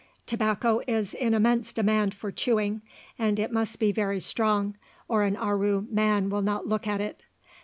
Tobacco is in immense demand for chewing, and it must be very strong, or an Aru man will not look at it.